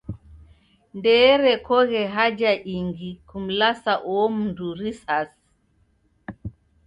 Ndeerekoghe haja ingi kumlasa uo mndu risasi.